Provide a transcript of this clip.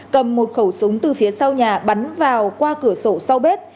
cầm một khẩu súng từ phía sau nhà bắn vào qua cửa sổ sau bếp